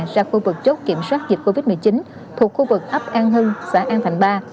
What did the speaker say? ra khu vực chốt kiểm soát dịch covid một mươi chín thuộc khu vực ấp an hưng xã an thành ba